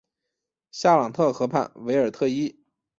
夏朗特河畔韦尔特伊。